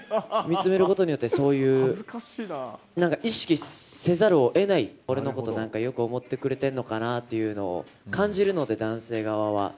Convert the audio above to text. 見つめることによって、そういう、なんか意識せざるをえない、俺のこと、なんかよく思ってくれてんのかなっていうのを感じるので、男性側は。